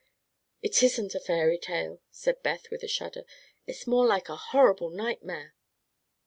"It isn't a fairy tale," said Beth with a shudder. "It's more like a horrible nightmare."